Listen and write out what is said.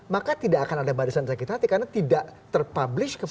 maka tidak akan ada barisan sakit hati karena tidak terpublish